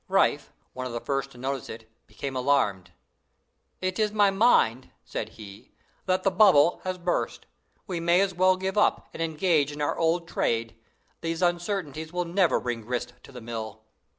Riffe, one of the first to notice it, became alarmed. "It is my mind," said he, "that the bubble has burst. We may as well give up, and engage in our old trade. These uncertainties will never bring grist to the mill."